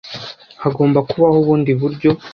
Hagomba kubaho ubundi buryo.